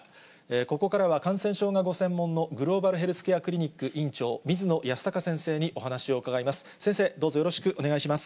ここからは、感染症がご専門のグローバルヘルスケアクリニック院長、水野泰孝先生にお話を伺います。